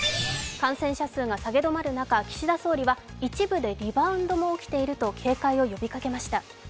感染者数が下げ止まる中、岸田総理は一部でリバウンドも起きていると警戒を呼びかけました。